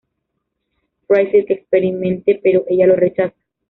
Fraiser que experimente, pero ella lo rechaza.